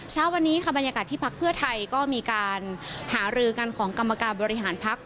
เช้าวันนี้ค่ะบรรยากาศที่พักเพื่อไทยก็มีการหารือกันของกรรมการบริหารพัก